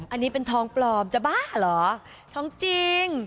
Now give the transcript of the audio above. อันนี้เป็นทองปลอมจะบ้าเหรอทองจริง